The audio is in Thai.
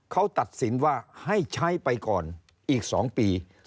เขาตัดสินว่าให้ใช้ไปก่อนอีก๒ปี